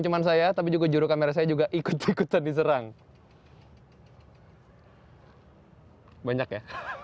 cuma saya tapi juga juru kamera saya juga ikut ikutan diserang banyak ya